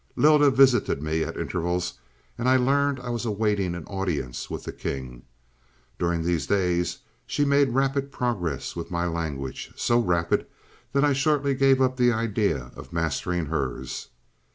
"Lylda visited me at intervals, and I learned I was awaiting an audience with the king. During these days she made rapid progress with my language so rapid that I shortly gave up the idea of mastering hers.